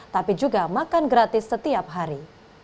tapi juga makan gratis setiap hari